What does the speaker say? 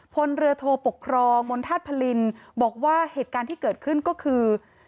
พลเรือโทปกครองมณฑาตุพลินบอกว่าเหตุการณ์ที่เกิดขึ้นก็คือ